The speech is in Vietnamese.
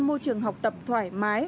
môi trường học tập thoải mái